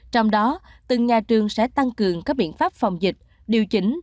trong đó từng nhà trường sẽ tăng cường các biện pháp phòng dịch điều chỉnh